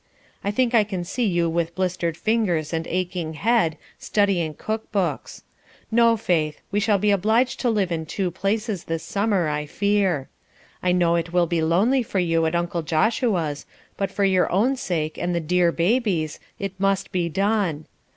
I think I can see you with blistered fingers and aching head, studying cook books. No, Faith, we shall be obliged to live in two places this summer, I fear. I know it will be lonely for you at uncle Joshua's, but for your own sake and the dear baby's, it must be done.